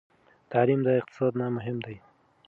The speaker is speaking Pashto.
تعلیم د اقتصاد نه مهم دی.